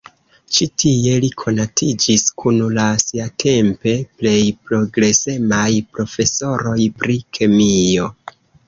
Ĉi-tie li konatiĝis kun la siatempe plej progresemaj profesoroj pri kemio.